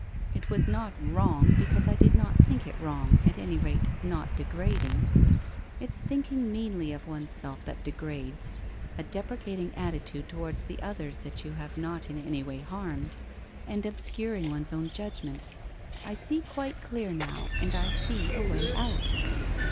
It was not wrong because I did not think it wrong, at any rate, not degrading. It's thinking meanly of one's self that degrades, a deprecating attitude towards the others that you have not in any way harmed, and obscuring one's own judgment. I see quite clear now, and I see a way out.